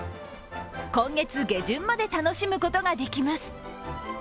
今月下旬まで楽しむことができます。